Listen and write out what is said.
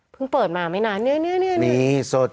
เพิ่งเปิดมาไม่นานเนี่ย